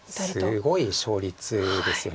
すごい勝率ですよね。